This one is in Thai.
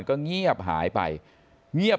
คุณพี่สมบูรณ์สังขทิบ